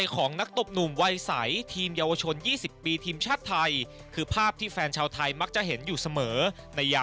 ขอบคุณครับขอบคุณครับ